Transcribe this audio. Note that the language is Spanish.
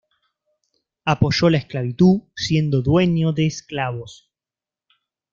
Apoyó la esclavitud, siendo dueño de esclavos.